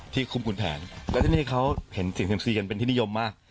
คุ้มคุณแผนและที่นี่เขาเห็นเสียงเซียมซีกันเป็นที่นิยมมาก